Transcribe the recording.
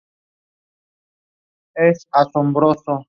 Luego de ser liberado prestó servicio al gobierno de los hermanos Monagas.